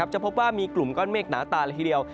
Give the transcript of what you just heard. จะพบว่ามีกลุ่มก้อนเมฆหนาตาละทีเดียว